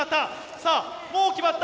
さぁもう決まった！